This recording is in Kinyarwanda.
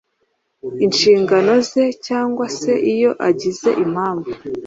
Inshingano ze cyangwa se iyo agize impamvu